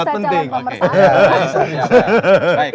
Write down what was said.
aku juga bisa calon pemersatu